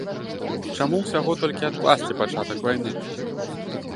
Чаму ўсяго толькі адкласці пачатак вайны?